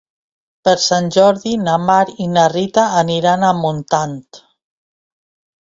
Per Sant Jordi na Mar i na Rita aniran a Montant.